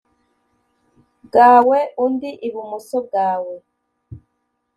bwawe undi ibumoso bwawe